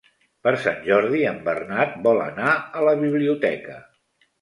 Per Sant Jordi en Bernat vol anar a la biblioteca.